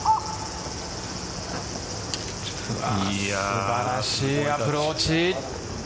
素晴らしいアプローチ。